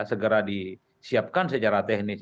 segera disiapkan secara teknis